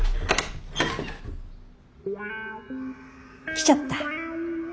来ちゃった。